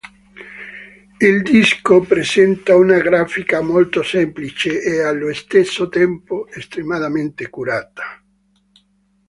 Il disco presenta una grafica molto semplice e, allo stesso, tempo, estremamente curata.